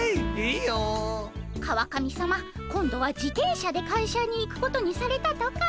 川上さま今度は自転車で会社に行くことにされたとか。